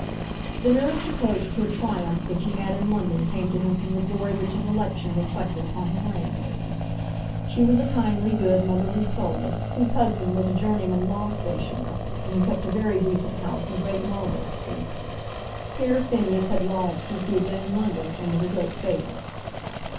The nearest approach to a triumph which he had in London came to him from the glory which his election reflected upon his landlady. She was a kindly good motherly soul, whose husband was a journeyman law stationer, and who kept a very decent house in Great Marlborough Street. Here Phineas had lodged since he had been in London, and was a great favourite.